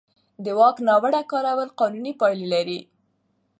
د واک ناوړه کارول قانوني پایلې لري.